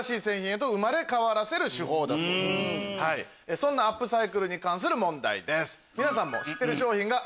そんなアップサイクルに関する問題です。